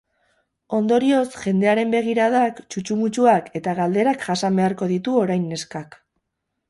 Ondorioz, jendearen begiradak, txutxumutxuak eta galderak jasan beharko ditu orain neskak.